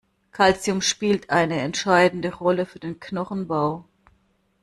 Calcium spielt eine entscheidende Rolle für den Knochenbau.